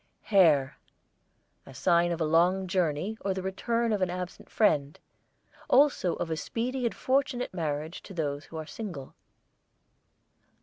HARE, a sign of a long journey, or the return of an absent friend. Also of a speedy and fortunate marriage to those who are single.